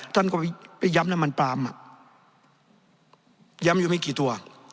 ท่านก็ไปย้ำน้ำมันปลามอ่ะย้ำอยู่ไม่กี่ตัว